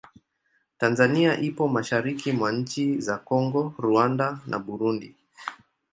Tanzania ipo mashariki mwa nchi za Kongo, Rwanda na Burundi.